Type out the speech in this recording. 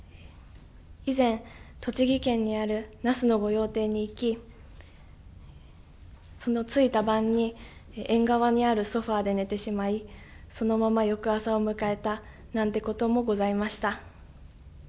以前、栃木県にある那須の御用邸に行き着いた晩に縁側にあるソファーで寝てしまいそのまま翌朝を迎えたなんてこともございました。